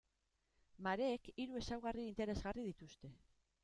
Mareek hiru ezaugarri interesgarri dituzte.